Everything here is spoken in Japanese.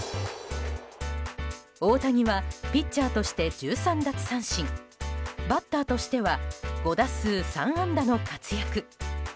大谷は、ピッチャーとして１３奪三振バッターとしては５打数３安打の活躍。